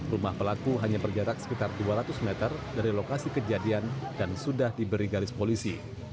rumah pelaku hanya berjarak sekitar dua ratus meter dari lokasi kejadian dan sudah diberi garis polisi